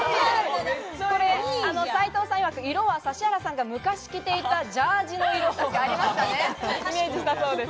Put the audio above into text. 斉藤さんいわく、色は指原さんが昔、着ていたジャージーの色をイメージしたそうです。